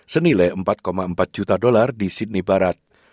senilai empat empat juta dolar di sydney barat